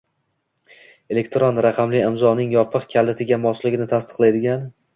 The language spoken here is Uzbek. elektron raqamli imzoning yopiq kalitiga mosligini tasdiqlaydigan